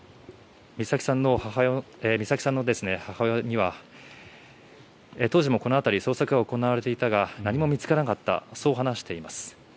美咲さんの母親には当時もこの辺りは捜索をしたが何も見つからなかったそう話しています。